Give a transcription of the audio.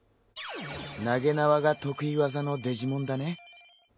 投げ縄が得意技のデジモンだね。